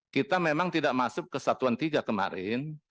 kita memang tidak masuk ke satuan tiga kemarin